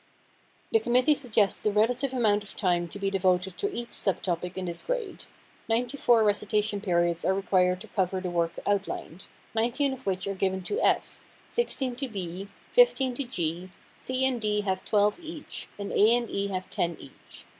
The committee suggests the relative amount of time to be devoted to each sub topic in this grade. Ninety four recitation periods are required to cover the work outlined, 19 of which are given to F, 16 to B, 15 to G; C and D have 12 each, and A and E have 10 each.